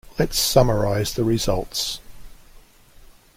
Let's summarize the results.